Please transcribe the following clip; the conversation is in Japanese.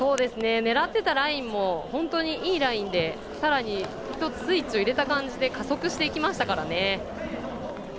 狙ってたラインも本当にいいラインで１つ、スイッチ入れた感じで加速していきましたからね。